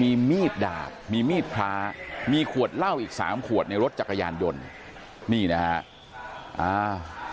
มีมีดดาบมีมีดพระมีขวดเหล้าอีกสามขวดในรถจักรยานยนต์นี่นะฮะอ้าว